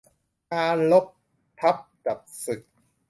การรบทัพจับศึก